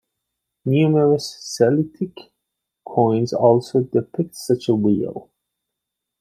Numerous Celtic coins also depict such a wheel.